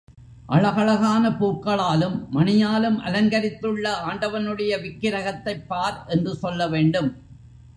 அழகழகான பூக்களாலும், மணியாலும் அலங்கரித்துள்ள ஆண்டவனுடைய விக்கிரகத்தைப் பார் என்று சொல்ல வேண்டும்.